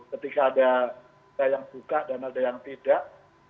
ketika ada yang buka dan ada yang tidak